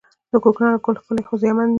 د کوکنارو ګل ښکلی خو زیانمن دی